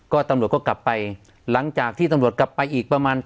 ก็ตำรวจก็กลับไปหลังจากที่ตำรวจกลับไปอีกประมาณ